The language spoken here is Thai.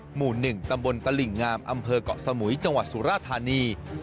หมู่๑ตำบลตลิ่งงามอำเภอกเกาะสมุยจังหวัดสุราธานี